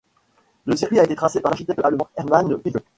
Le circuit a été tracé par l'architecte allemand Hermann Tilke.